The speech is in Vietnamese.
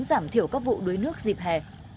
giảm thiểu các vụ đối nước dịp hè